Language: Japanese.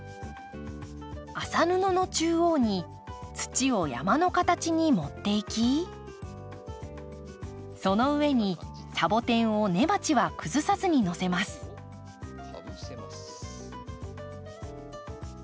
麻布の中央に土を山の形に盛っていきその上にサボテンを根鉢は崩さずにのせます。